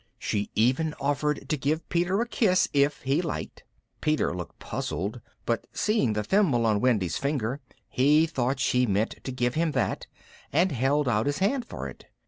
She even offered to give Peter a kiss if he liked. Peter looked puzzled, but seeing the thimble on Wendy's finger he thought she meant to give him that, and held out his hand for it.